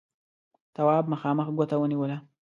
تواب مخامخ ګوته ونيوله: